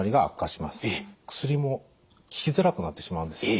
薬も効きづらくなってしまうんですね。